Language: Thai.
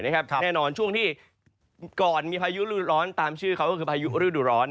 แน่นอนช่วงที่ก่อนมีพายุรูดร้อนตามชื่อเขาก็คือพายุฤดูร้อน